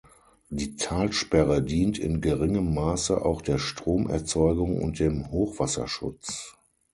Die Talsperre dient in geringem Maße auch der Stromerzeugung und dem Hochwasserschutz.